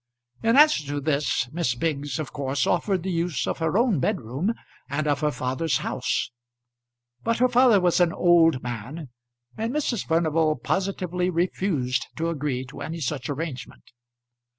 In answer to this Miss Biggs of course offered the use of her own bedroom and of her father's house; but her father was an old man, and Mrs. Furnival positively refused to agree to any such arrangement.